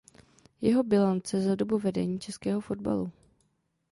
Jeho bilance za dobu vedení českého fotbalu.